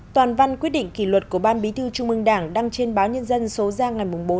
toàn văn quyết định kỷ luật của ban bí thư trung ương đảng đăng trên báo nhân dân số giang ngày bốn một mươi một